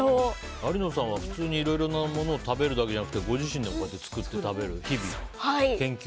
有野さんは普通にいろいろなものを食べるだけじゃなくてご自身でも作って食べる。